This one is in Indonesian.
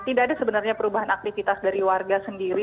tidak ada sebenarnya perubahan aktivitas dari warga sendiri